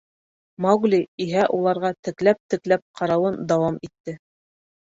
Маугли иһә уларға текләп-текләп ҡарауын дауам итте.